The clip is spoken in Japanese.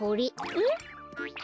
えっ？